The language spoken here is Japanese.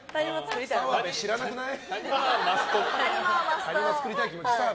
澤部、知らなくない？